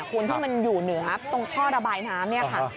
คุณที่มันอยู่เหนือตรงท่อระบายน้ำเนี่ยค่ะ